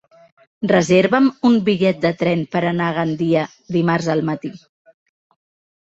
Reserva'm un bitllet de tren per anar a Gandia dimarts al matí.